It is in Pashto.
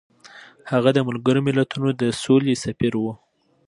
هغه د ملګرو ملتونو د سولې سفیر و.